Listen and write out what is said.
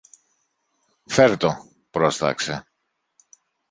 Φερ' το, πρόσταξε.